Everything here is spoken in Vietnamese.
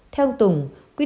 theo ông tùng